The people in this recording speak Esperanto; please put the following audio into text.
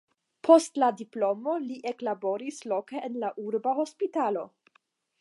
Post la diplomo li eklaboris loke en la urba hospitalo.